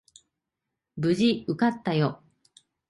無事受かったよ。